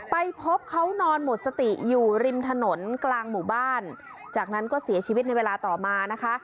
ไปพบเขานอนหมดสติอยู่ริมถนนกลางหมู่บ้านจากนั้นก็เสียชีวิตในเวลาต่อมานะคะ